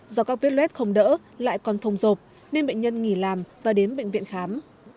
do các vết luet không đỡ lại còn phồng rộp nên bệnh nhân nghỉ làm và đến bệnh viện khám